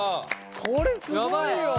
これすごいよ。